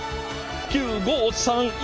９５３１。